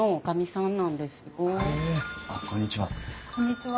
あっこんにちは。